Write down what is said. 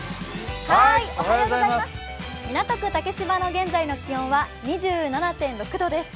港区・竹芝の現在の気温は２７．６度です。